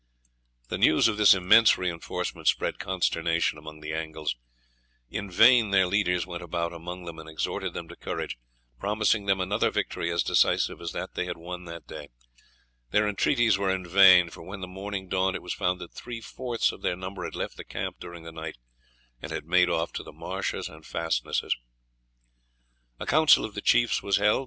The news of this immense reinforcement spread consternation among the Angles. In vain their leaders went about among them and exhorted them to courage, promising them another victory as decisive as that they had won that day. Their entreaties were in vain, for when the morning dawned it was found that three fourths of their number had left the camp during the night, and had made off to the marshes and fastnesses. A council of the chiefs was held.